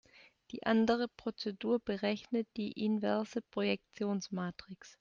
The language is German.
Die andere Prozedur berechnet die inverse Projektionsmatrix.